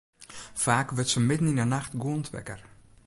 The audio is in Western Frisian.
Faak wurdt se midden yn 'e nacht gûlend wekker.